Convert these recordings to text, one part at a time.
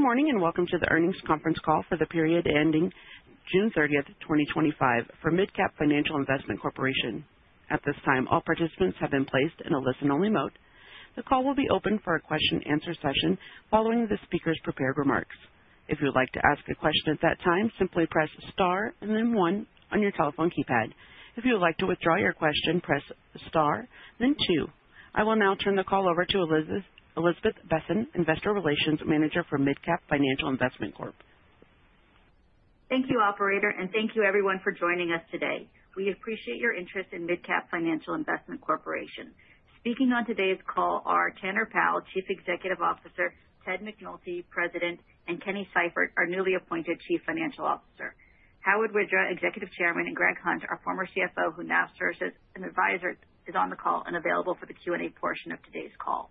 Good morning and welcome to the earnings conference call for the period ending June 30, 2025, for MidCap Financial Investment Corporation. At this time, all participants have been placed in a listen-only mode. The call will be open for a question-and-answer session following the speakers' prepared remarks. If you would like to ask a question at that time, simply press star and then one on your telephone keypad. If you would like to withdraw your question, press star and then two. I will now turn the call over to Elizabeth Besen, Investor Relations Manager for MidCap Financial Investment Corporation. Thank you, Operator, and thank you, everyone, for joining us today. We appreciate your interest in MidCap Financial Investment Corporation. Speaking on today's call are Tanner Powell, Chief Executive Officer, Ted McNulty, President, and Kenny Seifert, our newly appointed Chief Financial Officer. Howard Widra, Executive Chairman, and Greg Hunt, our former CFO, who now serves as an advisor, is on the call and available for the Q&A portion of today's call.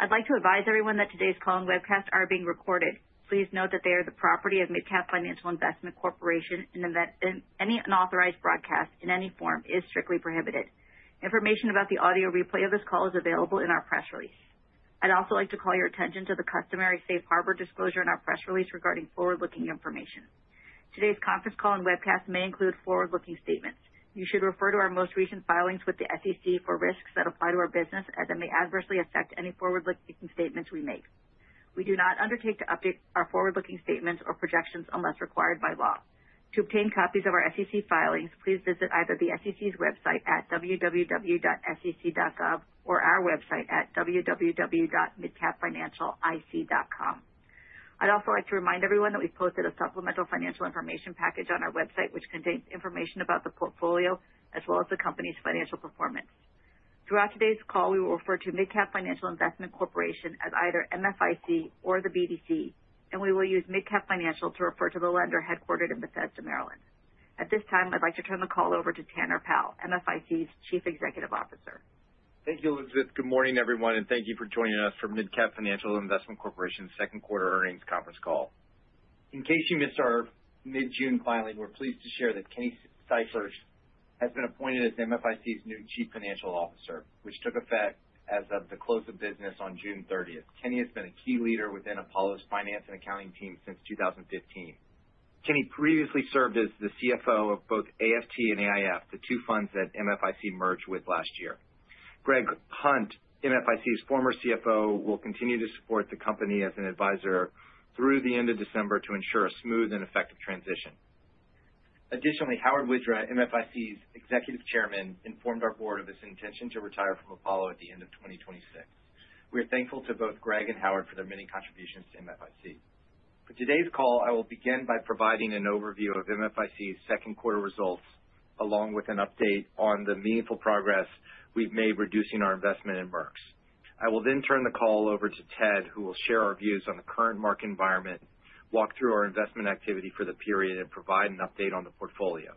I'd like to advise everyone that today's call and webcast are being recorded. Please note that they are the property of MidCap Financial Investment Corporation, and any unauthorized broadcast in any form is strictly prohibited. Information about the audio replay of this call is available in our press release. I'd also like to call your attention to the customary safe harbor disclosure in our press release regarding forward-looking information. Today's conference call and webcast may include forward-looking statements. You should refer to our most recent filings with the SEC for risks that apply to our business and that may adversely affect any forward-looking statements we make. We do not undertake to update our forward-looking statements or projections unless required by law. To obtain copies of our SEC filings, please visit either the SEC's website at www.sec.gov or our website at www.midcapfinancial-ic.com. I'd also like to remind everyone that we've posted a supplemental financial information package on our website, which contains information about the portfolio as well as the company's financial performance. Throughout today's call, we will refer to MidCap Financial Investment Corporation as either MFIC or the BDC, and we will use MidCap Financial to refer to the lender headquartered in Bethesda, Maryland. At this time, I'd like to turn the call over to Tanner Powell, MFIC's Chief Executive Officer. Thank you, Elizabeth. Good morning, everyone, and thank you for joining us for MidCap Financial Investment Corporation's second quarter earnings conference call. In case you missed our mid-June filing, we're pleased to share that Kenny Seifert has been appointed as MFIC's new Chief Financial Officer, which took effect as of the close of business on June 30. Kenny has been a key leader within Apollo's finance and accounting team since 2015. Kenny previously served as the CFO of both AFT and AIF, the two funds that MFIC merged with last year. Greg Hunt, MFIC's former CFO, will continue to support the company as an advisor through the end of December to ensure a smooth and effective transition. Additionally, Howard Widra, MFIC's Executive Chairman, informed our board of his intention to retire from Apollo at the end of 2026. We are thankful to both Greg and Howard for their many contributions to MFIC. For today's call, I will begin by providing an overview of MFIC's second quarter results, along with an update on the meaningful progress we've made reducing our investment in Merges. I will then turn the call over to Ted, who will share our views on the current market environment, walk through our investment activity for the period, and provide an update on the portfolio.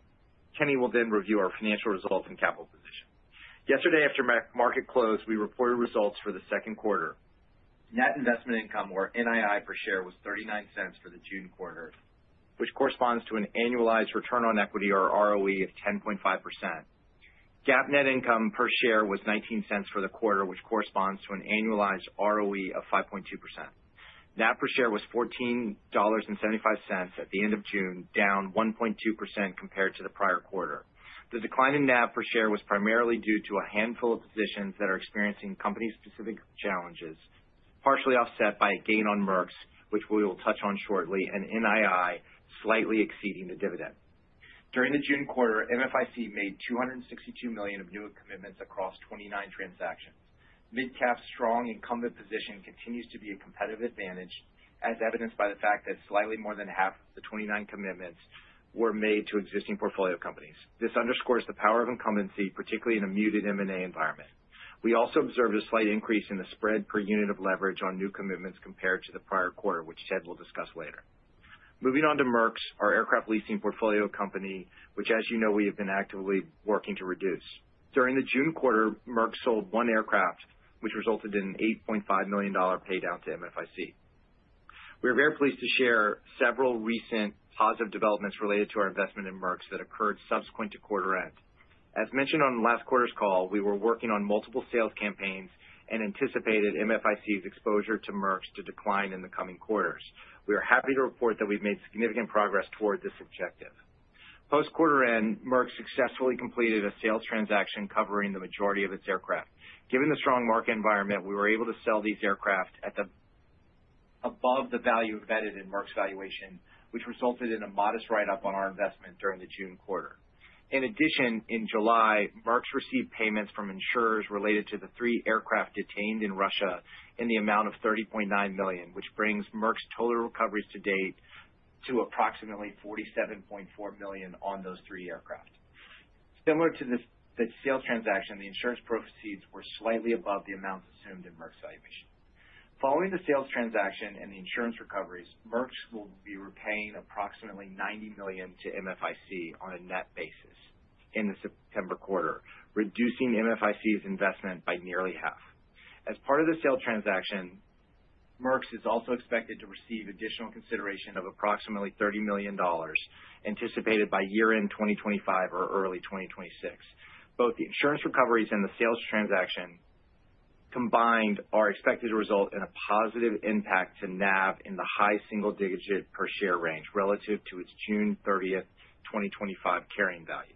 Kenny will then review our financial results and capital position. Yesterday, after market close, we reported results for the second quarter. Net investment income, or NII per share, was $0.39 for the June quarter, which corresponds to an annualized ROE of 10.5%. GAAP net income per share was $0.19 for the quarter, which corresponds to an annualized ROE of 5.2%. NAV per share was $14.75 at the end of June, down 1.2% compared to the prior quarter. The decline in NAV per share was primarily due to a handful of positions that are experiencing company-specific challenges, partially offset by a gain on Merges, which we will touch on shortly, and NII slightly exceeding the dividend. During the June quarter, MFIC made $262 million of new commitments across 29 transactions. MidCap's strong incumbent position continues to be a competitive advantage, as evidenced by the fact that slightly more than half of the 29 commitments were made to existing portfolio companies. This underscores the power of incumbency, particularly in a muted M&A environment. We also observed a slight increase in the spread per unit of leverage on new commitments compared to the prior quarter, which Ted will discuss later. Moving on to Merges, our aircraft leasing portfolio company, which, as you know, we have been actively working to reduce. During the June quarter, Merges sold one aircraft, which resulted in an $8.5 million paid out to MFIC. We are very pleased to share several recent positive developments related to our investment in Merges that occurred subsequent to quarter end. As mentioned on last quarter's call, we were working on multiple sales campaigns and anticipated MFIC's exposure to Merges to decline in the coming quarters. We are happy to report that we've made significant progress toward this objective. Post-quarter end, Merges successfully completed a sales transaction covering the majority of its aircraft. Given the strong market environment, we were able to sell these aircraft above the value embedded in Merges' valuation, which resulted in a modest write-up on our investment during the June quarter. In addition, in July, Merges received payments from insurers related to the three aircraft detained in Russia in the amount of $30.9 million, which brings Merges' total coverage to date to approximately $47.4 million on those three aircraft. Similar to the sales transaction, the insurance proceeds were slightly above the amounts assumed in Merges' valuation. Following the sales transaction and the insurance recoveries, Merges will be repaying approximately $90 million to MFIC on a net basis in the September quarter, reducing MFIC's investment by nearly half. As part of the sale transaction, Merges is also expected to receive additional consideration of approximately $30 million anticipated by year-end 2025 or early 2026. Both the insurance recoveries and the sales transaction combined are expected to result in a positive impact to NAV in the high single-digit per share range relative to its June 30, 2025 carrying value.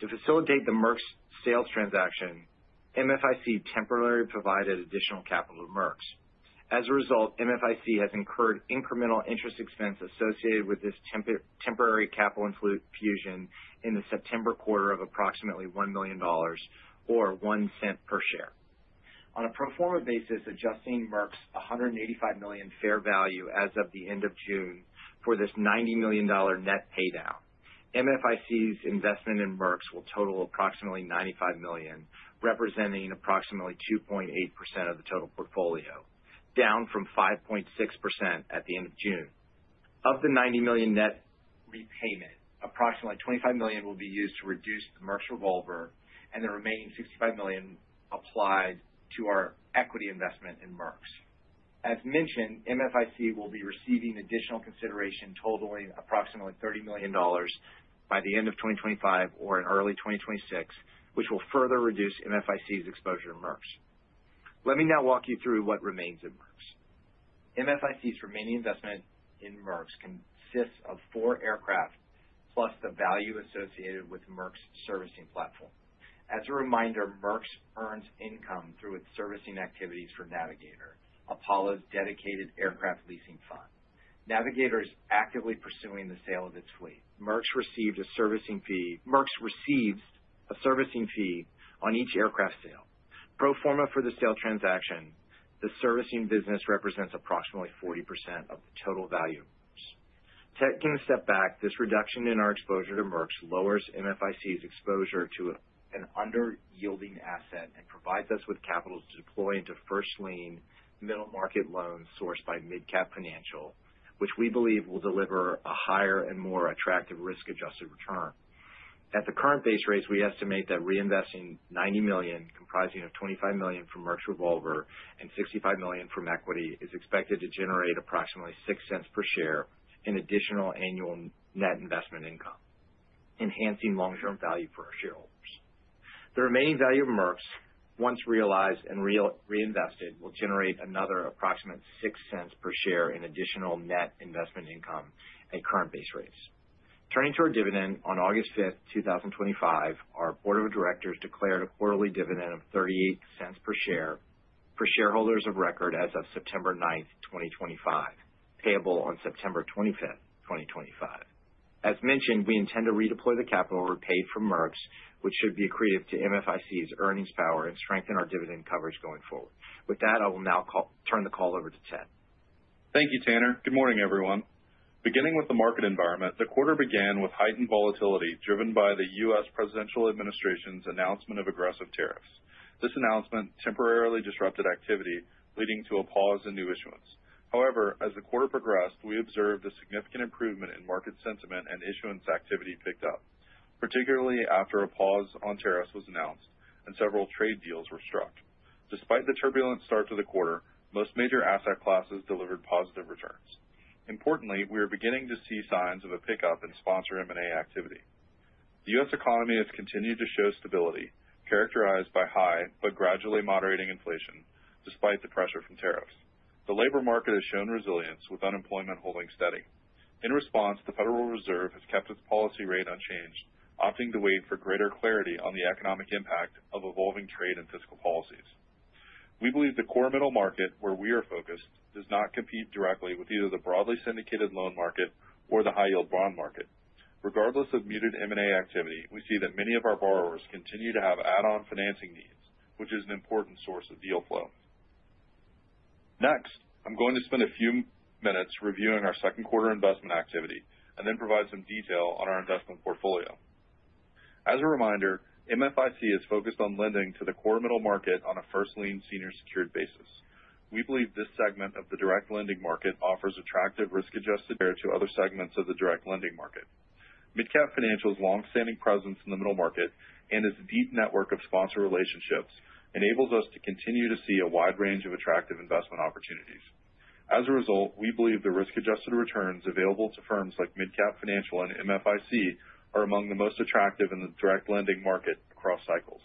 To facilitate the Merges sales transaction, MFIC temporarily provided additional capital to Merges. As a result, MFIC has incurred incremental interest expense associated with this temporary capital infusion in the September quarter of approximately $1 million or $0.01 per share. On a pro forma basis, adjusting Merges' $185 million fair value as of the end of June for this $90 million net paydown. MFIC's investment in Merges will total approximately $95 million, representing approximately 2.8% of the total portfolio, down from 5.6% at the end of June. Of the $90 million net repayment, approximately $25 million will be used to reduce the Merges' revolver, and the remaining $65 million applied to our equity investment in Merges. As mentioned, MFIC will be receiving additional consideration totaling approximately $30 million by the end of 2025 or in early 2026, which will further reduce MFIC's exposure to Merges. Let me now walk you through what remains in Merges. MFIC's remaining investment in Merges consists of four aircraft plus the value associated with Merges' servicing platform. As a reminder, Merges earns income through its servicing activities for Navigator, Apollo's dedicated aircraft leasing fund. Navigator is actively pursuing the sale of its fleet. Merges receives a servicing fee on each aircraft sale. Pro forma for the sale transaction, the servicing business represents approximately 40% of the total value. Taking a step back, this reduction in our exposure to Merges lowers MFIC's exposure to an under-yielding asset and provides us with capital to deploy into first lien senior secured middle market loans sourced by MidCap Financial, which we believe will deliver a higher and more attractive risk-adjusted return. At the current base rates, we estimate that reinvesting $90 million, comprising $25 million from Merges' revolver and $65 million from equity, is expected to generate approximately $0.06 per share in additional annual net investment income, enhancing long-term value for our shareholders. The remaining value of Merges, once realized and reinvested, will generate another approximate $0.06 per share in additional net investment income at current base rates. Turning to our dividend, on August 5, 2025, our Board of Directors declared a quarterly dividend of $0.38 per share for shareholders of record as of September 9, 2025, payable on September 25, 2025. As mentioned, we intend to redeploy the capital repaid from Merges, which should be accretive to MFIC's earnings power and strengthen our dividend coverage going forward. With that, I will now turn the call over to Ted. Thank you, Tanner. Good morning, everyone. Beginning with the market environment, the quarter began with heightened volatility driven by the U.S. presidential administration's announcement of aggressive tariffs. This announcement temporarily disrupted activity, leading to a pause in new issuance. However, as the quarter progressed, we observed a significant improvement in market sentiment and issuance activity picked up, particularly after a pause on tariffs was announced and several trade deals were struck. Despite the turbulent start to the quarter, most major asset classes delivered positive returns. Importantly, we are beginning to see signs of a pickup in sponsor M&A activity. The U.S. economy has continued to show stability, characterized by high but gradually moderating inflation, despite the pressure from tariffs. The labor market has shown resilience, with unemployment holding steady. In response, the Federal Reserve has kept its policy rate unchanged, opting to wait for greater clarity on the economic impact of evolving trade and fiscal policies. We believe the core middle market, where we are focused, does not compete directly with either the broadly syndicated loan market or the high-yield bond market. Regardless of muted M&A activity, we see that many of our borrowers continue to have add-on financing needs, which is an important source of deal flow. Next, I'm going to spend a few minutes reviewing our second quarter investment activity and then provide some detail on our investment portfolio. As a reminder, MidCap Financial Investment Corporation is focused on lending to the core middle market on a first lien senior secured basis. We believe this segment of the direct lending market offers attractive risk-adjusted returns compared to other segments of the direct lending market. MidCap Financial's longstanding presence in the middle market and its deep network of sponsor relationships enable us to continue to see a wide range of attractive investment opportunities. As a result, we believe the risk-adjusted returns available to firms like MidCap Financial and MidCap Financial Investment Corporation are among the most attractive in the direct lending market across cycles.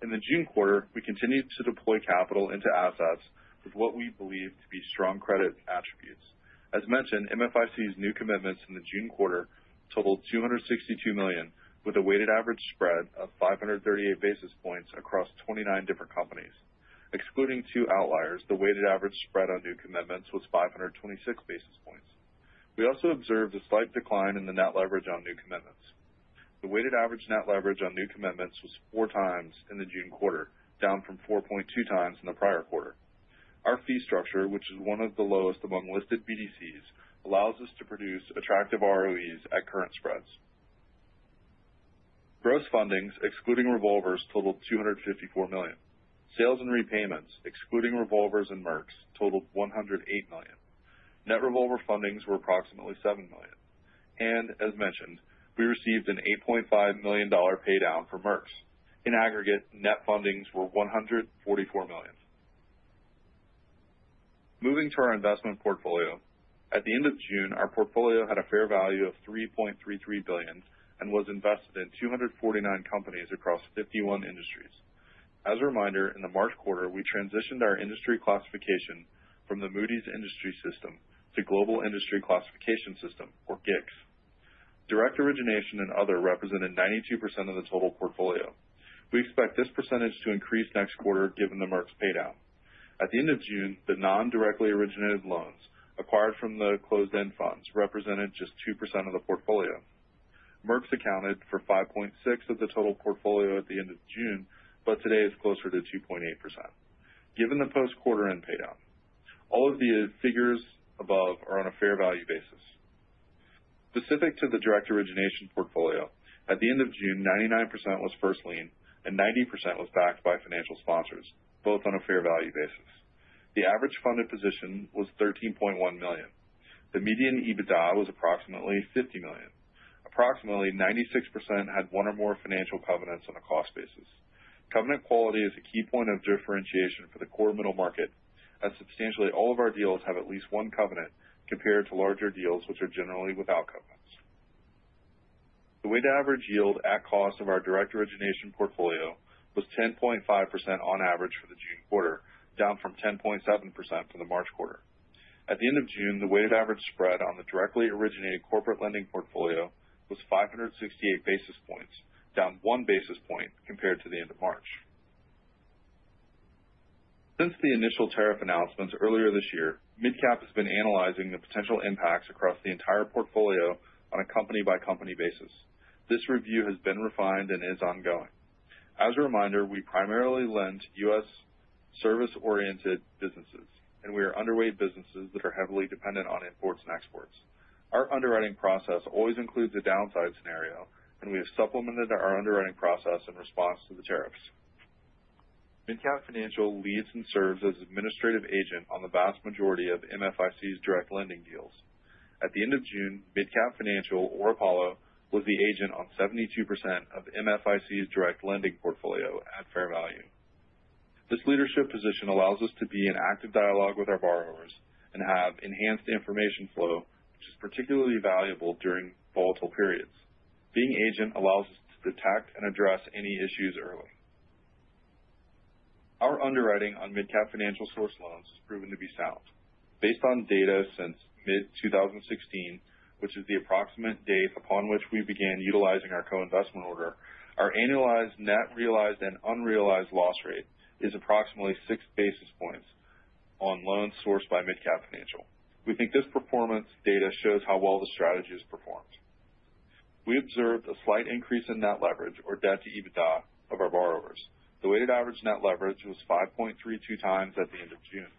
In the June quarter, we continue to deploy capital into assets with what we believe to be strong credit attributes. As mentioned, MidCap Financial Investment Corporation's new commitments in the June quarter totaled $262 million, with a weighted average spread of 538 basis points across 29 different companies. Excluding two outliers, the weighted average spread on new commitments was 526 basis points. We also observed a slight decline in the net leverage on new commitments. The weighted average net leverage on new commitments was 4 times in the June quarter, down from 4.2 times in the prior quarter. Our fee structure, which is one of the lowest among listed BDCs, allows us to produce attractive ROEs at current spreads. Gross fundings, excluding revolvers, totaled $254 million. Sales and repayments, excluding revolvers and Merges, totaled $108 million. Net revolver fundings were approximately $7 million. As mentioned, we received an $8.5 million paydown for Merges. In aggregate, net fundings were $144 million. Moving to our investment portfolio, at the end of June, our portfolio had a fair value of $3.33 billion and was invested in 249 companies across 51 industries. As a reminder, in the March quarter, we transitioned our industry classification from the Moody's Industry System to Global Industry Classification System, or GICS. Direct origination and other represented 92% of the total portfolio. We expect this percentage to increase next quarter, given the Merges paydown. At the end of June, the non-directly originated loans acquired from the closed-end funds represented just 2% of the portfolio. Merges accounted for 5.6% of the total portfolio at the end of June, but today it's closer to 2.8%, given the post-quarter end paydown. All of the figures above are on a fair value basis. Specific to the direct origination portfolio, at the end of June, 99% was first lien and 90% was backed by financial sponsors, both on a fair value basis. The average funded position was $13.1 million. The median EBITDA was approximately $50 million. Approximately 96% had one or more financial covenants on a cost basis. Covenant quality is a key point of differentiation for the core middle market, as substantially all of our deals have at least one covenant compared to larger deals, which are generally without covenants. The weighted average yield at cost of our direct origination portfolio was 10.5% on average for the June quarter, down from 10.7% for the March quarter. At the end of June, the weighted average spread on the directly originated corporate lending portfolio was 568 basis points, down one basis point compared to the end of March. Since the initial tariff announcements earlier this year, MidCap has been analyzing the potential impacts across the entire portfolio on a company-by-company basis. This review has been refined and is ongoing. As a reminder, we primarily lend to U.S. service-oriented businesses, and we are underweight businesses that are heavily dependent on imports and exports. Our underwriting process always includes a downside scenario, and we have supplemented our underwriting process in response to the tariffs. MidCap Financial leads and serves as an administrative agent on the vast majority of MFIC's direct lending deals. At the end of June, MidCap Financial, or Apollo was the agent on 72% of MFIC's direct lending portfolio at fair value. This leadership position allows us to be in active dialogue with our borrowers and have enhanced information flow, which is particularly valuable during volatile periods. Being an agent allows us to detect and address any issues early. Our underwriting on MidCap Financial source loans has proven to be sound. Based on data since mid-2016, which is the approximate date upon which we began utilizing our co-investment order, our annualized net realized and unrealized loss rate is approximately 0.06% on loans sourced by MidCap Financial. We think this performance data shows how well the strategy has performed. We observed a slight increase in net leverage, or debt to EBITDA, of our borrowers. The weighted average net leverage was 5.32 times at the end of June,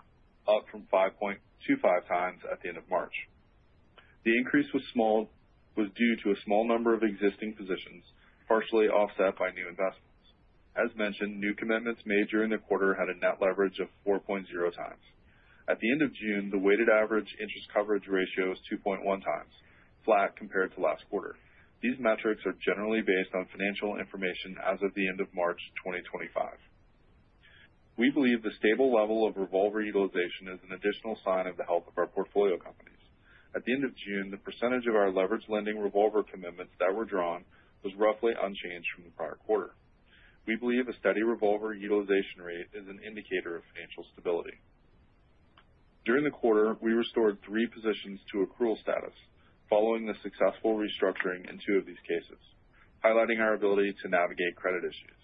up from 5.25 times at the end of March. The increase was small, was due to a small number of existing positions partially offset by new investments. As mentioned, new commitments made during the quarter had a net leverage of 4.0 times. At the end of June, the weighted average interest coverage ratio was 2.1 times, flat compared to last quarter. These metrics are generally based on financial information as of the end of March 2025. We believe the stable level of revolver utilization is an additional sign of the health of our portfolio companies. At the end of June, the percentage of our leveraged lending revolver commitments that were drawn was roughly unchanged from the prior quarter. We believe a steady revolver utilization rate is an indicator of financial stability. During the quarter, we restored three positions to accrual status following the successful restructuring in two of these cases, highlighting our ability to navigate credit issues.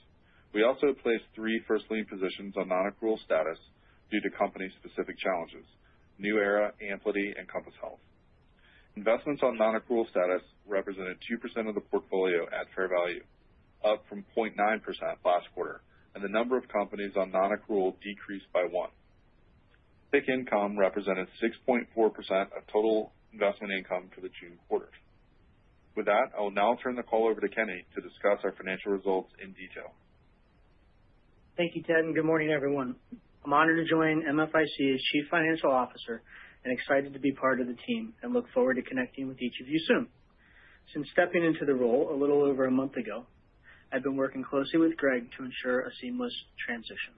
We also placed three first lien positions on non-accrual status due to company-specific challenges: New Era, Amplity, and Compass Health. Investments on non-accrual status represented 2% of the portfolio at fair value, up from 0.9% last quarter, and the number of companies on non-accrual decreased by one. Fixed income represented 6.4% of total investment income for the June quarter. With that, I will now turn the call over to Kenny to discuss our financial results in detail. Thank you, Ted, and good morning, everyone. I'm honored to join MFIC as Chief Financial Officer and excited to be part of the team and look forward to connecting with each of you soon. Since stepping into the role a little over a month ago, I've been working closely with Greg to ensure a seamless transition.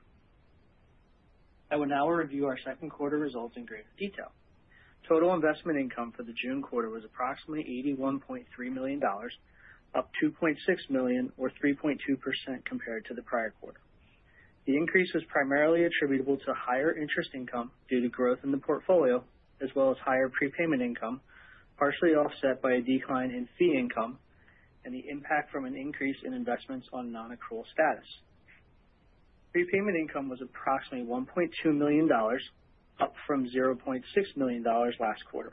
I will now review our second quarter results in greater detail. Total investment income for the June quarter was approximately $81.3 million, up $2.6 million, or 3.2% compared to the prior quarter. The increase was primarily attributable to higher interest income due to growth in the portfolio, as well as higher prepayment income, partially offset by a decline in fee income and the impact from an increase in investments on non-accrual status. Prepayment income was approximately $1.2 million, up from $0.6 million last quarter.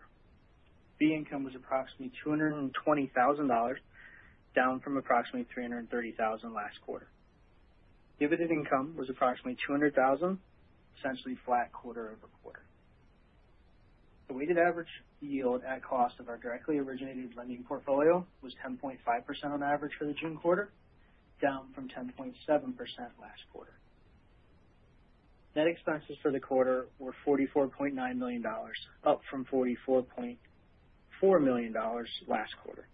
Fee income was approximately $220,000, down from approximately $330,000 last quarter. Dividend income was approximately $200,000, essentially flat quarter over quarter. The weighted average yield at cost of our directly originated lending portfolio was 10.5% on average for the June quarter, down from 10.7% last quarter. Net expenses for the quarter were $44.9 million, up from $44.4 million last quarter.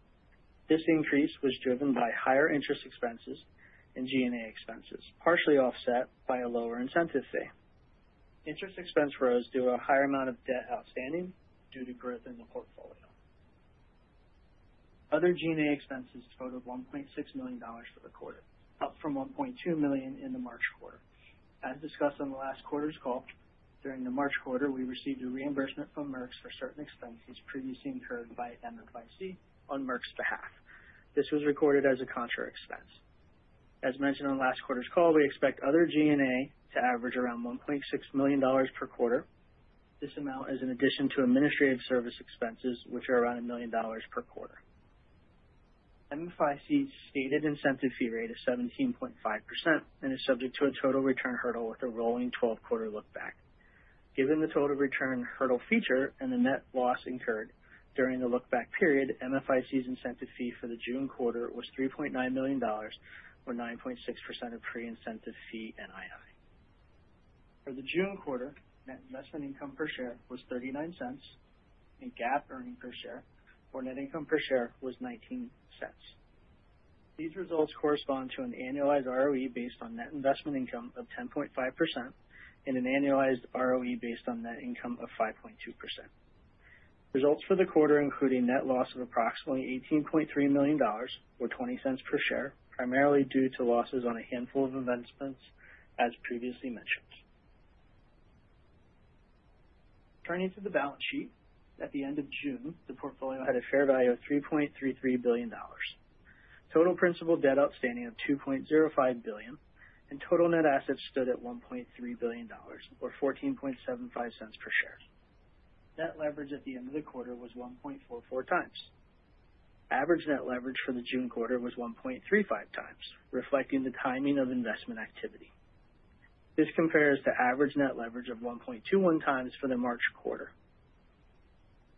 This increase was driven by higher interest expenses and G&A expenses, partially offset by a lower incentive fee. Interest expense rose due to a higher amount of debt outstanding due to growth in the portfolio. Other G&A expenses totaled $1.6 million for the quarter, up from $1.2 million in the March quarter. As discussed on the last quarter's call, during the March quarter, we received a reimbursement from Merges for certain expenses previously incurred by MFIC on Merges' behalf. This was recorded as a contra expense. As mentioned on last quarter's call, we expect other G&A to average around $1.6 million per quarter. This amount is in addition to administrative service expenses, which are around $1 million per quarter. MFIC's stated incentive fee rate is 17.5% and is subject to a total return hurdle with a rolling 12-quarter lookback. Given the total return hurdle feature and the net loss incurred during the lookback period, MFIC's incentive fee for the June quarter was $3.9 million, or 9.6% of pre-incentive fee NII. For the June quarter, net investment income per share was $0.39, and GAAP earnings per share or net income per share was $0.19. These results correspond to an annualized ROE based on net investment income of 10.5% and an annualized ROE based on net income of 5.2%. Results for the quarter included a net loss of approximately $18.3 million, or $0.20 per share, primarily due to losses on a handful of investments, as previously mentioned. Turning to the balance sheet, at the end of June, the portfolio had a fair value of $3.33 billion, total principal debt outstanding of $2.05 billion, and total net assets stood at $1.3 billion, or $0.1475 per share. Net leverage at the end of the quarter was 1.44 times. Average net leverage for the June quarter was 1.35 times, reflecting the timing of investment activity. This compares to average net leverage of 1.21 times for the March quarter.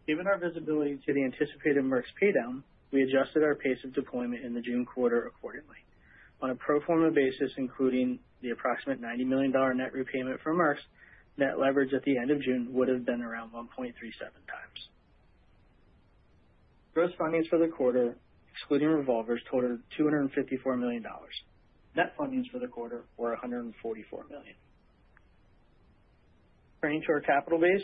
Given our visibility to the anticipated Merges paydown, we adjusted our pace of deployment in the June quarter accordingly. On a pro forma basis, including the approximate $90 million net repayment for Merges, net leverage at the end of June would have been around 1.37 times. Gross fundings for the quarter, excluding revolvers, totaled $254 million. Net fundings for the quarter were $144 million. Turning to our capital base,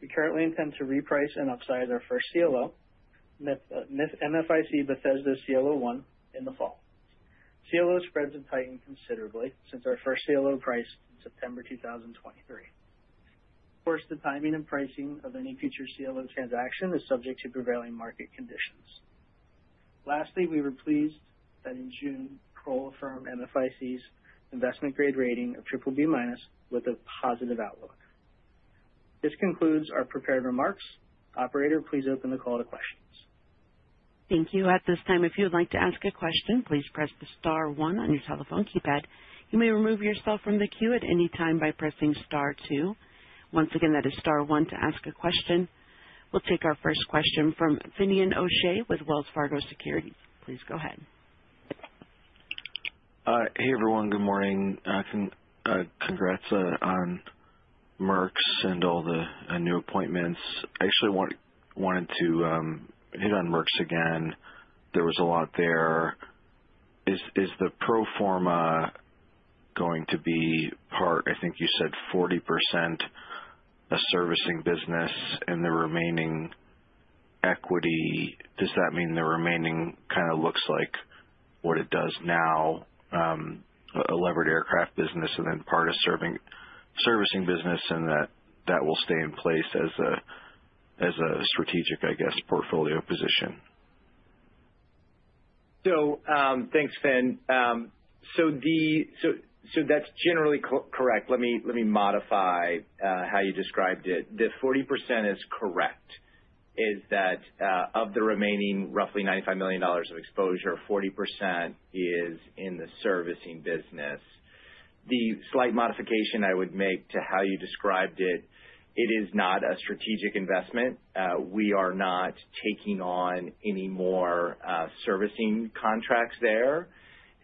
we currently intend to reprice and upsize our first CLO, MFIC Bethesda CLO One, in the fall. CLO spreads have tightened considerably since our first CLO priced in September 2023. Of course, the timing and pricing of any future CLO transaction is subject to prevailing market conditions. Lastly, we were pleased that in June we co-affirmed MFIC's investment grade rating of BBB- with a positive outlook. This concludes our prepared remarks. Operator, please open the call to questions. Thank you. At this time, if you would like to ask a question, please press the star one on your telephone keypad. You may remove yourself from the queue at any time by pressing star two. Once again, that is star one to ask a question. We'll take our first question from Finian O'Shea with Wells Fargo Securities. Please go ahead. Hey, everyone. Good morning. Congrats on Merges and all the new appointments. I actually wanted to hit on Merges again. There was a lot there. Is the pro forma going to be part, I think you said 40% a servicing business and the remaining equity? Does that mean the remaining kind of looks like what it does now, a levered aircraft business and then part of servicing business, and that that will stay in place as a strategic, I guess, portfolio position? Thanks, Fin. That's generally correct. Let me modify how you described it. The 40% is correct; of the remaining roughly $95 million of exposure, 40% is in the servicing business. The slight modification I would make to how you described it is it is not a strategic investment. We are not taking on any more servicing contracts there.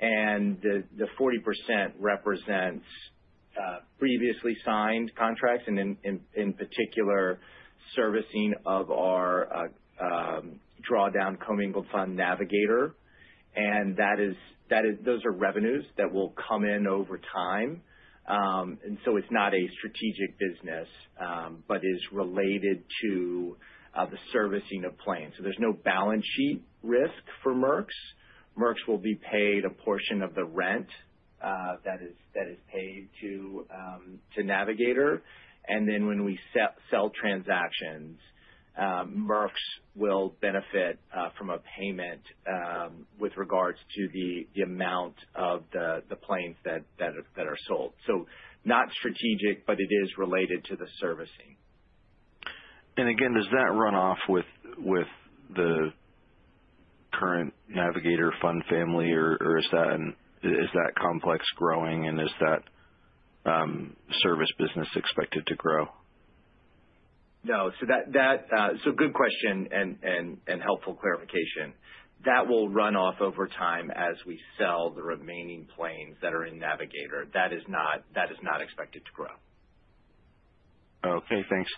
The 40% represents previously signed contracts and, in particular, servicing of our drawdown commingled fund Navigator. Those are revenues that will come in over time. It is not a strategic business, but it is related to the servicing of planes. There is no balance sheet risk for Merges. Merges will be paid a portion of the rent that is paid to Navigator. When we sell transactions, Merges will benefit from a payment with regards to the amount of the planes that are sold. It is not strategic, but it is related to the servicing. And again does that run off with the current Navigator fund family, or is that complex growing, and is that service business expected to grow? Good question and helpful clarification. That will run off over time as we sell the remaining planes that are in Navigator. That is not expected to grow. Okay, thanks.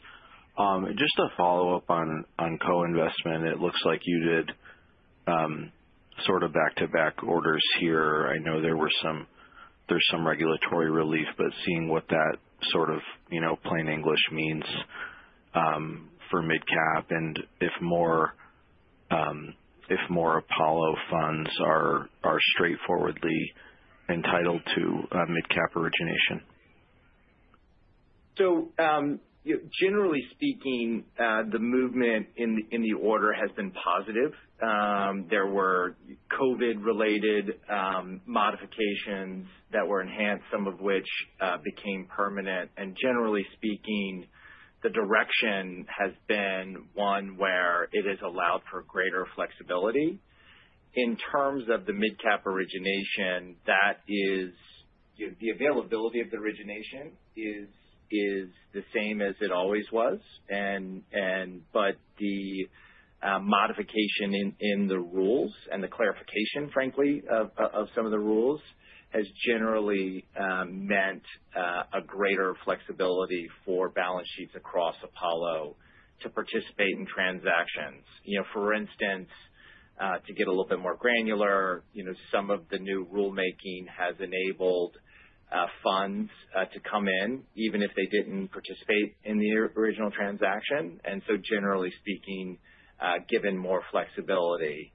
Just to follow up on co-investment, it looks like you did sort of back-to-back orders here. I know there were some regulatory relief, but seeing what that sort of, you know, plain English means for MidCap Financial Investment Corporation and if more Apollo funds are straightforwardly entitled to MidCap origination. Generally speaking, the movement in the order has been positive. There were COVID-related modifications that were enhanced, some of which became permanent. Generally speaking, the direction has been one where it has allowed for greater flexibility. In terms of the MidCap origination, the availability of the origination is the same as it always was. The modification in the rules and the clarification, frankly, of some of the rules has generally meant greater flexibility for balance sheets across Apollo to participate in transactions. For instance, to get a little bit more granular, some of the new rulemaking has enabled funds to come in, even if they didn't participate in the original transaction. Generally speaking, given more flexibility.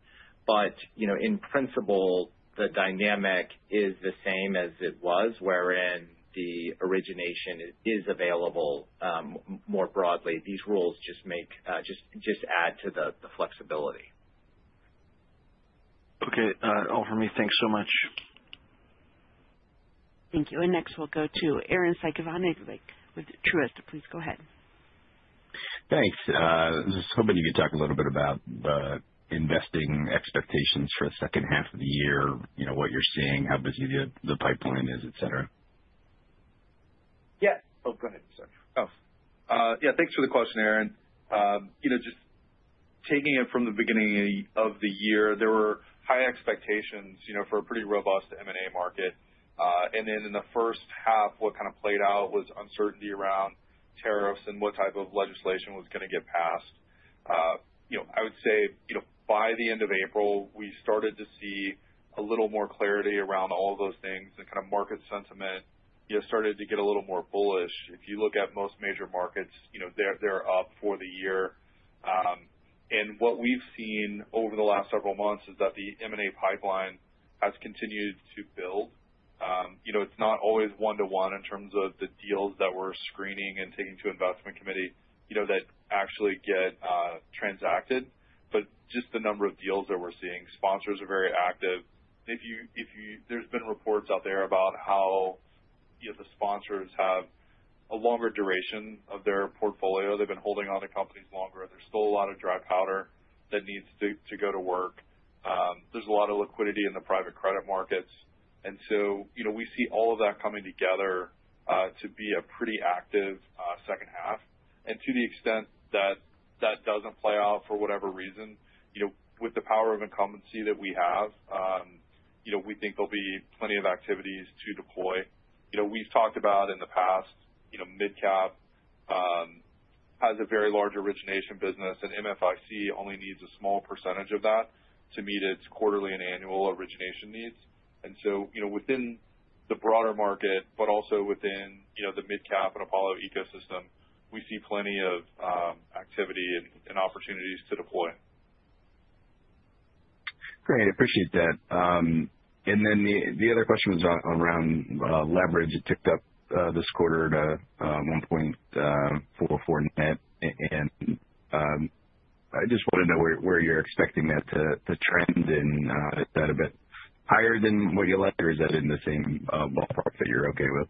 In principle, the dynamic is the same as it was, wherein the origination is available more broadly. These rules just add to the flexibility. Okay, all for me. Thanks so much. Thank you. Next, we'll go to Arren Cyganovich with Truist. Please go ahead. Thanks. Can you talk a little bit about the investing expectations for the second half of the year, what you're seeing, how busy the pipeline is, etc. Yes. Thanks for the question, Arren. Just taking it from the beginning of the year, there were high expectations for a pretty robust M&A market. In the first half, what played out was uncertainty around tariffs and what type of legislation was going to get passed. By the end of April, we started to see a little more clarity around all of those things. The kind of market sentiment started to get a little more bullish. If you look at most major markets, they're up for the year. What we've seen over the last several months is that the M&A pipeline has continued to build. It's not always one-to-one in terms of the deals that we're screening and taking to investment committee that actually get transacted. Just the number of deals that we're seeing, sponsors are very active. There have been reports out there about how the sponsors have a longer duration of their portfolio. They've been holding on to companies longer. There's still a lot of dry powder that needs to go to work. There's a lot of liquidity in the private credit markets. We see all of that coming together to be a pretty active second half. To the extent that that doesn't play out for whatever reason, with the power of incumbency that we have, we think there'll be plenty of activities to deploy. We've talked about in the past, MidCap has a very large origination business, and MFIC only needs a small percentage of that to meet its quarterly and annual origination needs. Within the broader market, but also within the MidCap and Apollo ecosystem, we see plenty of activity and opportunities to deploy. Great. I appreciate that. The other question was around leverage. It ticked up this quarter to 1.44 net. I just want to know where you're expecting that to trend, and is that a bit higher than what you liked, or is that in the same ballpark that you're okay with?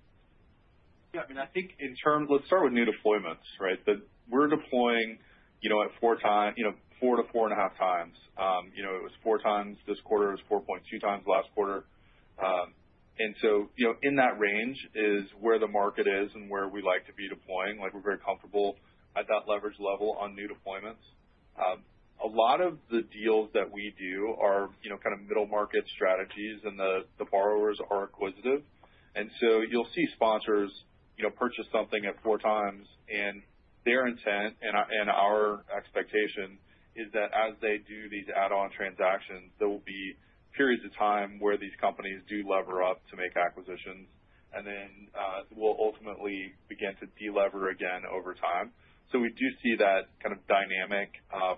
Yeah. I mean, I think in terms, let's start with new deployments, right? That we're deploying at four times, you know, four to four and a half times. It was four times this quarter. It was 4.2 times last quarter. In that range is where the market is and where we like to be deploying. We're very comfortable at that leverage level on new deployments. A lot of the deals that we do are kind of middle market strategies, and the borrowers are acquisitive. You'll see sponsors purchase something at four times, and their intent and our expectation is that as they do these add-on transactions, there will be periods of time where these companies do lever up to make acquisitions, and then we'll ultimately begin to deliver again over time. We do see that kind of dynamic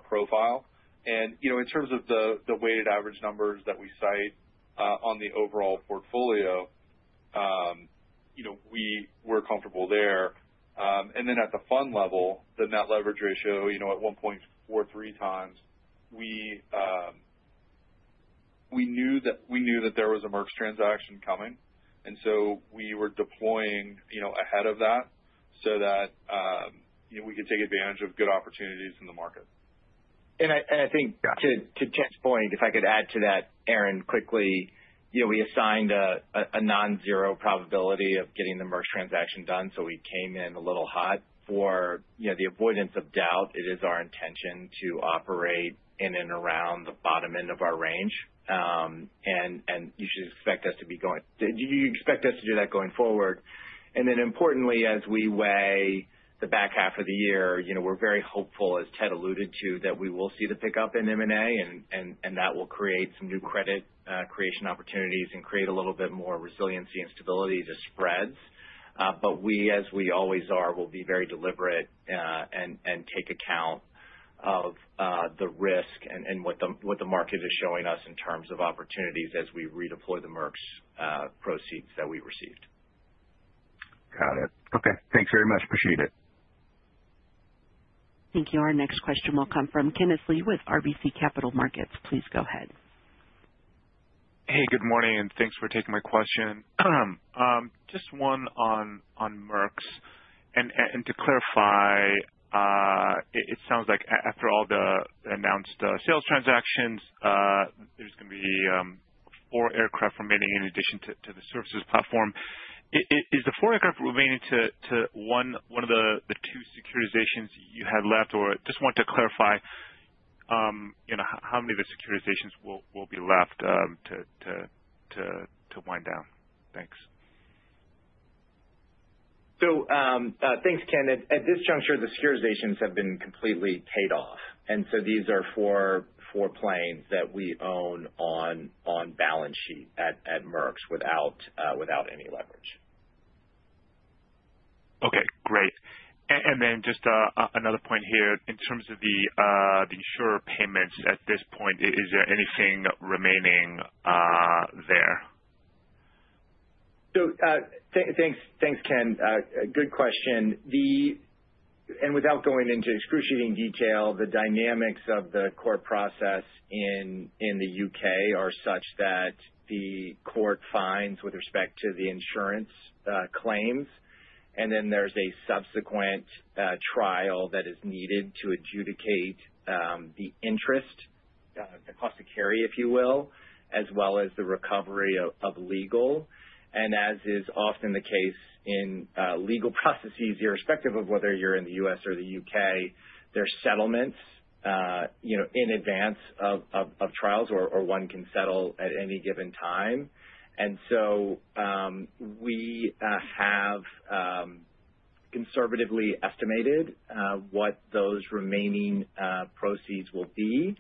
profile. In terms of the weighted average numbers that we cite on the overall portfolio, we were comfortable there. At the fund level, the net leverage ratio at 1.43 times, we knew that there was a Merges transaction coming. We were deploying ahead of that so that we could take advantage of good opportunities in the market. To Ted's point, if I could add to that, Arren, quickly, we assigned a non-zero probability of getting the Merges transaction done. We came in a little hot for the avoidance of doubt. It is our intention to operate in and around the bottom end of our range. You should expect us to be doing that going forward. Importantly, as we weigh the back half of the year, we're very hopeful, as Ted alluded to, that we will see the pickup in M&A, and that will create some new credit creation opportunities and create a little bit more resiliency and stability to spreads. We, as we always are, will be very deliberate and take account of the risk and what the market is showing us in terms of opportunities as we redeploy the Merges proceeds that we received. Got it. Okay, thanks very much. Appreciate it. Thank you. Our next question will come from Kenneth Lee with RBC Capital Markets. Please go ahead. Hey, good morning, and thanks for taking my question. Just one on Merges. To clarify, it sounds like after all the announced sales transactions, there's going to be four aircraft remaining in addition to the services platform. Is the four aircraft remaining to one of the two securitizations you have left, or just want to clarify how many of the securitizations will be left to wind down? Thanks. Thanks, Ken. At this juncture, the securitizations have been completely paid off. These are four planes that we own on balance sheet at Merges without any leverage. Okay, great. In terms of the insurer payments at this point, is there anything remaining there? Thanks, Ken. Good question. Without going into excruciating detail, the dynamics of the court process in the UK are such that the court finds with respect to the insurance claims, and then there's a subsequent trial that is needed to adjudicate the interest cost of carry, if you will, as well as the recovery of legal. As is often the case in legal processes, irrespective of whether you're in the U.S. or the UK, there are settlements in advance of trials, or one can settle at any given time. We have conservatively estimated what those remaining proceeds will be.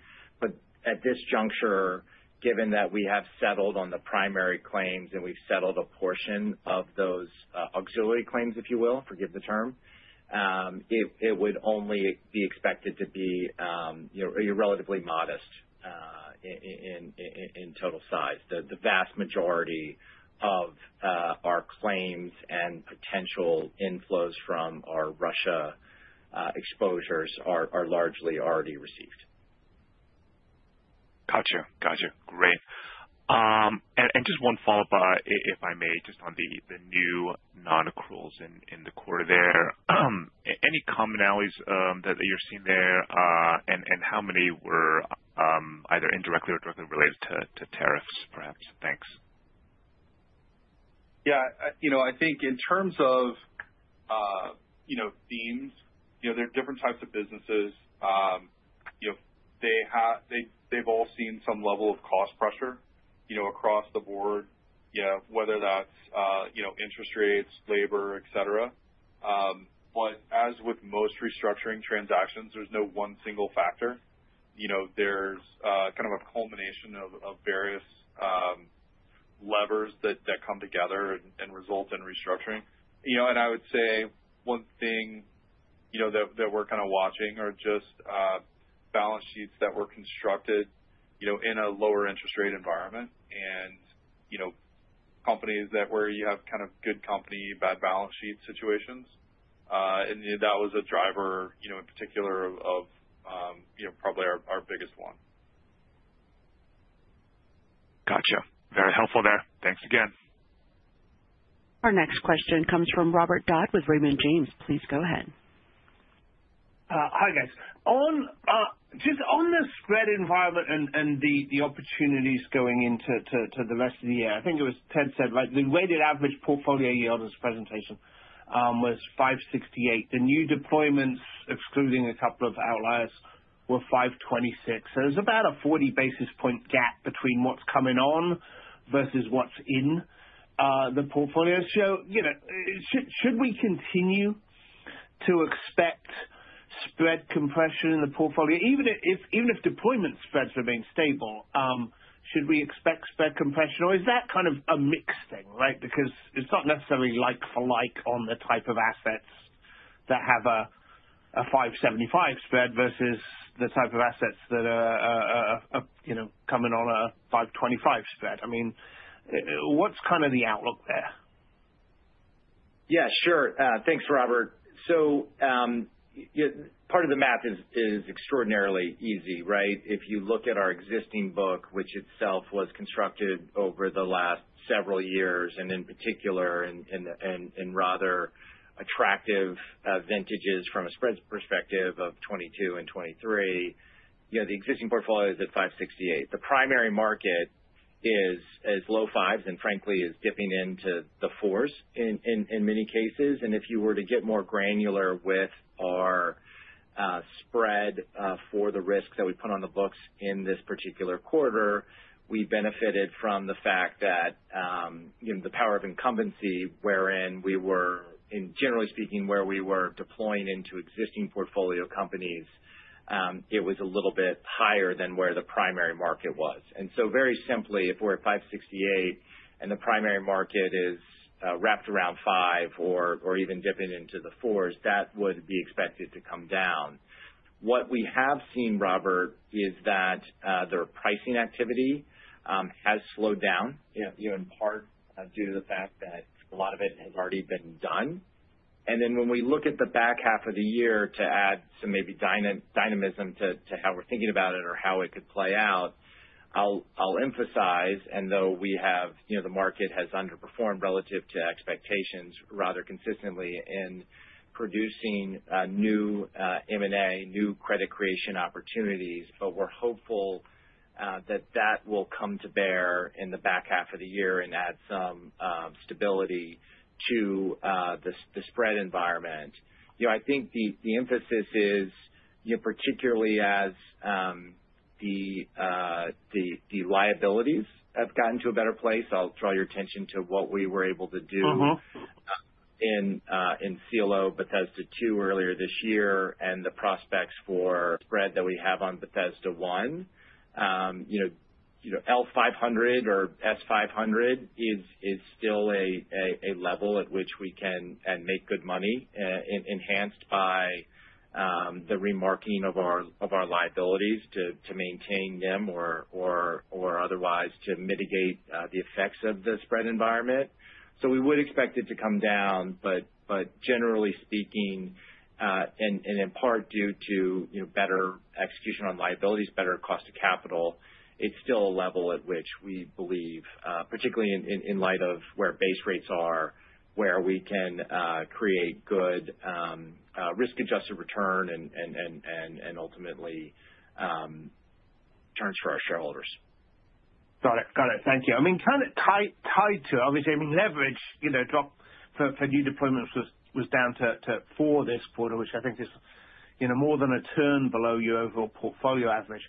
At this juncture, given that we have settled on the primary claims and we've settled a portion of those auxiliary claims, if you will, forgive the term, it would only be expected to be relatively modest in total size. The vast majority of our claims and potential inflows from our Russia exposures are largely already received. Great. Just one follow-up, if I may, just on the new non-accruals in the quarter. Any commonalities that you're seeing there, and how many were either indirectly or directly related to tariffs, perhaps? Thanks. I think in terms of themes, there are different types of businesses. They've all seen some level of cost pressure across the board, whether that's interest rates, labor, etc. As with most restructuring transactions, there's no one single factor. There's kind of a culmination of various levers that come together and result in restructuring. I would say one thing that we're kind of watching are just balance sheets that were constructed in a lower interest rate environment and companies where you have kind of good company, bad balance sheet situations. That was a driver, in particular, of probably our biggest one. Gotcha. Very helpful there. Thanks again. Our next question comes from Robert Dodd with Raymond James. Please go ahead. Hi guys. Just on the spread environment and the opportunities going into the rest of the year, I think it was Ted said, right? The weighted average portfolio yield in this presentation was 5.68%. The new deployments, excluding a couple of outliers, were 5.26%. There is about a 40 basis point gap between what's coming on versus what's in the portfolio. Should we continue to expect spread compression in the portfolio? Even if deployment spreads remain stable, should we expect spread compression, or is that kind of a mixed thing, right? It's not necessarily like for like on the type of assets that have a 5.75% spread versus the type of assets that are coming on a 5.25% spread. What's kind of the outlook there? Yeah, sure. Thanks, Robert. Part of the math is extraordinarily easy, right? If you look at our existing book, which itself was constructed over the last several years, and in particular, in rather attractive vintages from a spreads perspective of 2022 and 2023, the existing portfolio is at 568. The primary market is as low fives and frankly is dipping into the fours in many cases. If you were to get more granular with our spread for the risks that we put on the books in this particular quarter, we benefited from the fact that the power of incumbency, wherein we were, generally speaking, where we were deploying into existing portfolio companies, it was a little bit higher than where the primary market was. Very simply, if we're at 568 and the primary market is wrapped around five or even dipping into the fours, that would be expected to come down. What we have seen, Robert, is that their pricing activity has slowed down, in part due to the fact that a lot of it has already been done. When we look at the back half of the year to add some maybe dynamism to how we're thinking about it or how it could play out, I'll emphasize, though we have, the market has underperformed relative to expectations rather consistently in producing new M&A, new credit creation opportunities, but we're hopeful that that will come to bear in the back half of the year and add some stability to the spread environment. I think the emphasis is, particularly as the liabilities have gotten to a better place, I'll draw your attention to what we were able to do in CLO Bethesda II earlier this year and the prospects for spread that we have on Bethesda I. L500 or S500 is still a level at which we can make good money, enhanced by the remarking of our liabilities to maintain them or otherwise to mitigate the effects of the spread environment. We would expect it to come down, but generally speaking, and in part due to better execution on liabilities, better cost of capital, it's still a level at which we believe, particularly in light of where base rates are, where we can create good risk-adjusted return and ultimately returns for our shareholders. Got it. Thank you. Kind of tied to it, obviously, leverage drop for new deployments was down to four this quarter, which I think is more than a turn below your overall portfolio average.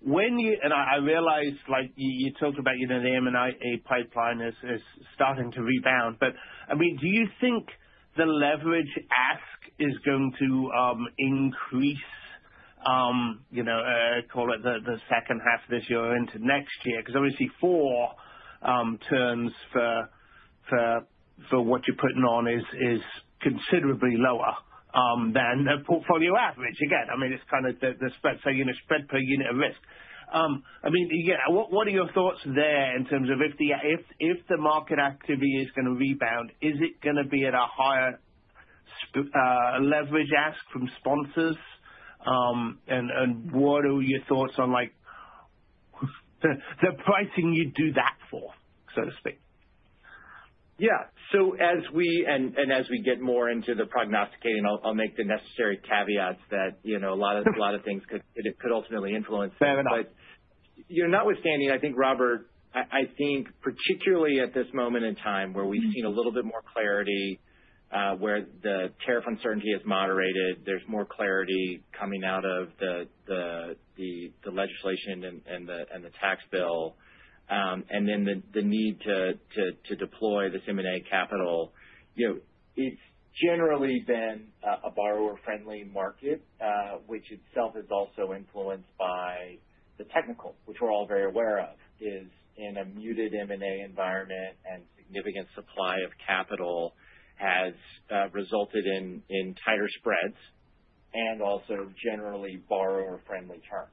When you, and I realize, like you talk about the M&A pipeline is starting to rebound, do you think the leverage ask is going to increase, call it the second half of this year into next year? Obviously, four turns for what you're putting on is considerably lower than a portfolio average. Again, it's kind of the spread per unit risk. What are your thoughts there in terms of if the market activity is going to rebound, is it going to be at a higher leverage ask from sponsors? What are your thoughts on the pricing you do that for, so to speak? Yeah. As we get more into the prognosticating, I'll make the necessary caveats that a lot of things could ultimately influence them. Notwithstanding, I think, Robert, particularly at this moment in time where we've seen a little bit more clarity, where the tariff uncertainty is moderated, there's more clarity coming out of the legislation and the tax bill, and then the need to deploy this M&A capital. It's generally been a borrower-friendly market, which itself is also influenced by the technical, which we're all very aware of, is in a muted M&A environment and significant supply of capital has resulted in tighter spreads and also generally borrower-friendly terms.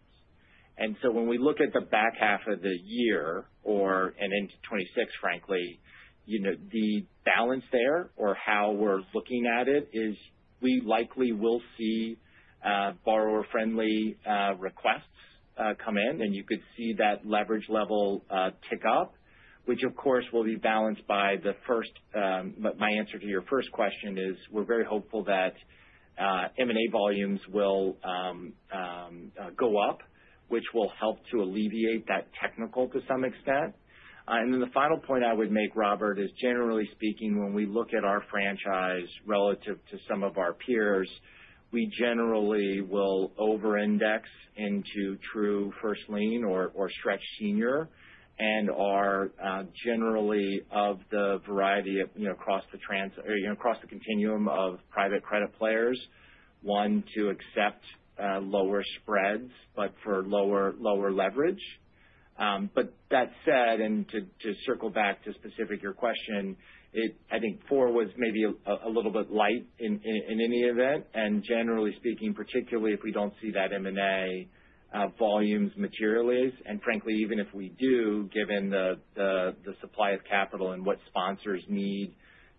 When we look at the back half of the year and into 2026, frankly, the balance there, or how we're looking at it, is we likely will see borrower-friendly requests come in, and you could see that leverage level tick up, which of course will be balanced by the first. My answer to your first question is we're very hopeful that M&A volumes will go up, which will help to alleviate that technical to some extent. The final point I would make, Robert, is generally speaking, when we look at our franchise relative to some of our peers, we generally will over-index into true first lien or stretch senior and are generally of the variety of, across the continuum of private credit players, one to accept lower spreads, but for lower leverage. That said, and to circle back to your specific question, I think four was maybe a little bit light in any event. Generally speaking, particularly if we don't see that M&A volumes materialize, and frankly, even if we do, given the supply of capital and what sponsors need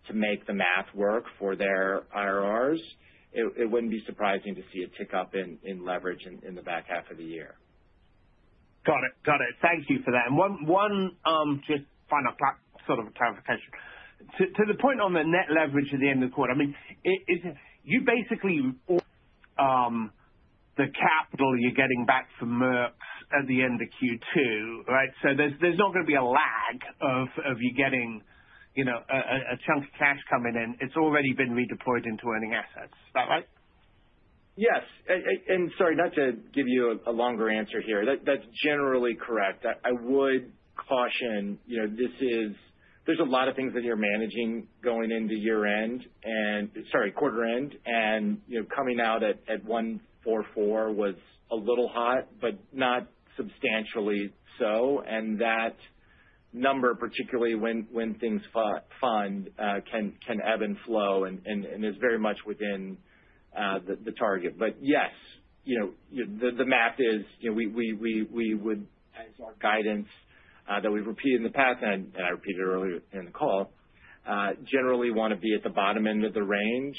to make the math work for their IRRs, it wouldn't be surprising to see a tick up in leverage in the back half of the year. Got it. Thank you for that. One final sort of clarification. To the point on the net leverage at the end of the quarter, is it you basically, or the capital you're getting back from Merges at the end of Q2, right? There's not going to be a lag of you getting a chunk of cash coming in. It's already been redeployed into earning assets. Is that right? Yes, that's generally correct. I would caution, you know, there are a lot of things that you're managing going into year-end and, sorry, quarter-end. You know, coming out at 1.44 was a little hot, but not substantially so. That number, particularly when things fund, can ebb and flow and is very much within the target. Yes, the math is, you know, we would, as our guidance that we've repeated in the past and repeated earlier in the call, generally want to be at the bottom end of the range.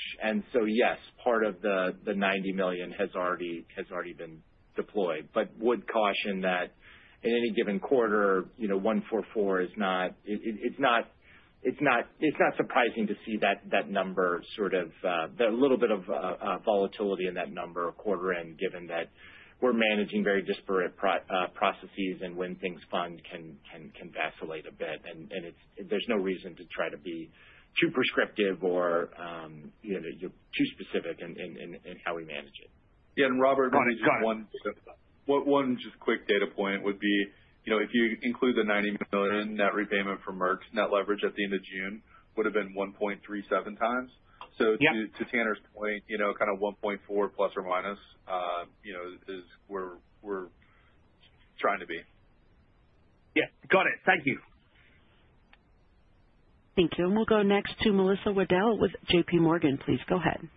Yes, part of the $90 million has already been deployed. I would caution that in any given quarter, 1.44 is not, it's not surprising to see that number, a little bit of volatility in that number quarter-end, given that we're managing very disparate processes and when things fund can vacillate a bit. There is no reason to try to be too prescriptive or too specific in how we manage it. Yeah, Robert, one quick data point would be, if you include the $90 million net repayment for Merges, net leverage at the end of June would have been 1.37 times. To Tanner's point, kind of 1.4 plus or minus is where we're trying to be. Yes, got it. Thank you. Thank you. We'll go next to Melissa Wedel with J.P. Morgan. Please go ahead.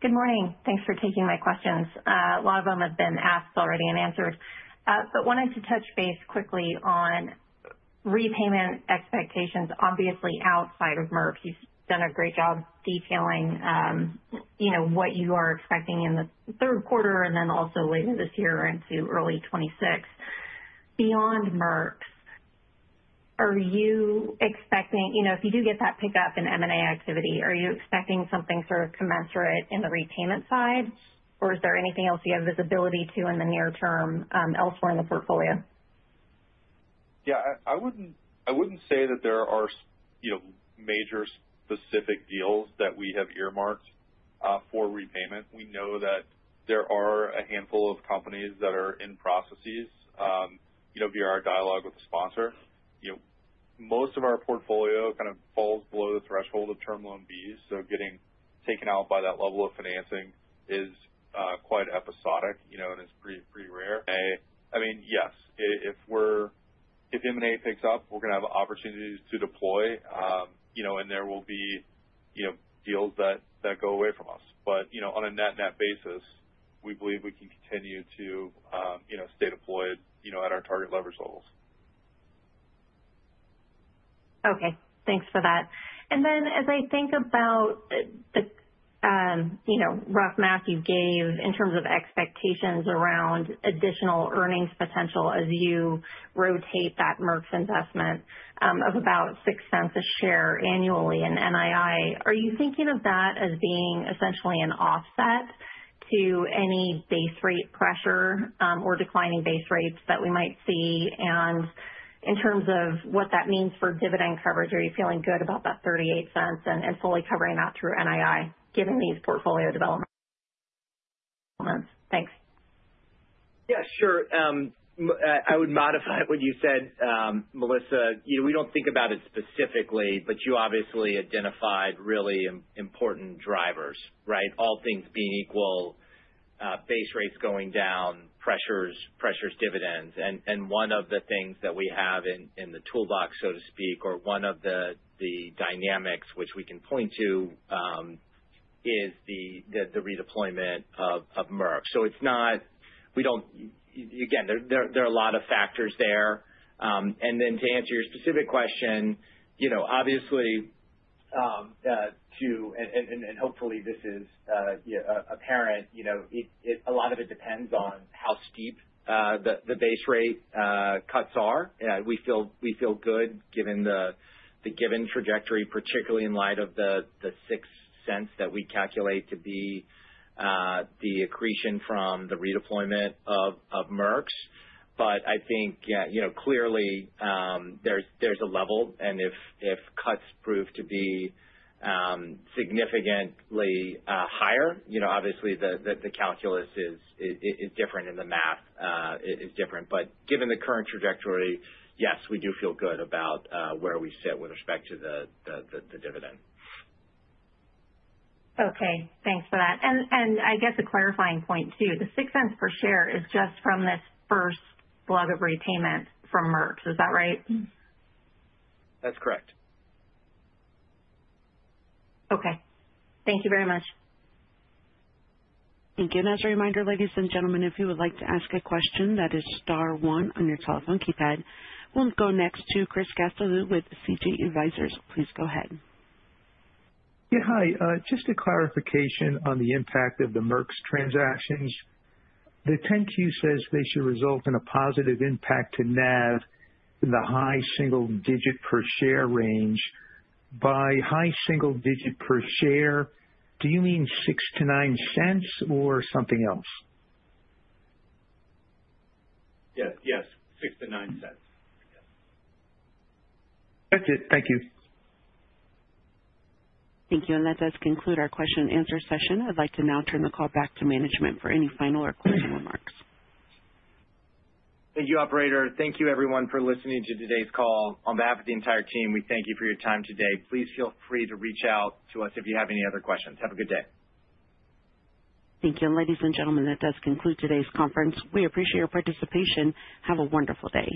Good morning. Thanks for taking my questions. A lot of them have been asked already and answered. I wanted to touch base quickly on repayment expectations, obviously outside of Merges. You've done a great job detailing what you are expecting in the third quarter and then also later this year into early 2026. Beyond Merges, are you expecting, if you do get that pickup in M&A activity, something sort of commensurate in the repayment side, or is there anything else you have visibility to in the near term elsewhere in the portfolio? Yeah. I wouldn't say that there are major specific deals that we have earmarked for repayment. We know that there are a handful of companies that are in processes via our dialogue with the sponsor. Most of our portfolio kind of falls below the threshold of term loan Bs, so getting taken out by that level of financing is quite episodic, and it's pretty rare. M&A, I mean, yes, if M&A picks up, we're going to have opportunities to deploy, and there will be deals that go away from us. On a net-net basis, we believe we can continue to stay deployed at our target leverage levels. Okay. Thanks for that. As I think about the rough math you gave in terms of expectations around additional earnings potential as you rotate that Merges investment of about $0.06 a share annually in NII, are you thinking of that as being essentially an offset to any base rate pressure or declining base rates that we might see? In terms of what that means for dividend coverage, are you feeling good about that $0.38 and solely covering that through NII given these portfolio developments? Thanks. Yeah, sure. I would modify what you said, Melissa. You know, we don't think about it specifically, but you obviously identified really important drivers, right? All things being equal, base rates going down pressures dividends. One of the things that we have in the toolbox, so to speak, or one of the dynamics which we can point to is the redeployment of Merges. It's not, we don't, there are a lot of factors there. To answer your specific question, obviously, too, and hopefully this is apparent, a lot of it depends on how steep the base rate cuts are. We feel good given the given trajectory, particularly in light of the $0.06 that we calculate to be the accretion from the redeployment of Merges. I think, clearly, there's a level, and if cuts prove to be significantly higher, obviously the calculus is different and the math is different. Given the current trajectory, yes, we do feel good about where we sit with respect to the dividend. Okay. Thanks for that. I guess a clarifying point too, the $0.06 per share is just from this first blow of repayment from Merges. Is that right? That's correct. Okay, thank you very much. Thank you. As a reminder, ladies and gentlemen, if you would like to ask a question, that is star one on your telephone keypad. We'll go next to Chris Gastelu with CG Advisors. Please go ahead. Yeah, hi. Just a clarification on the impact of the Merges transactions. The 10-Q says they should result in a positive impact to NAV, the high single-digit per share range. By high single-digit per share, do you mean $0.06-$0.09 or something else? Yes, yes, $0.06-$0.09. That's it. Thank you. Thank you. That does conclude our question and answer session. I'd like to now turn the call back to management for any final or closing remarks. Thank you, Operator. Thank you, everyone, for listening to today's call. On behalf of the entire team, we thank you for your time today. Please feel free to reach out to us if you have any other questions. Have a good day. Thank you. Ladies and gentlemen, that does conclude today's conference. We appreciate your participation. Have a wonderful day.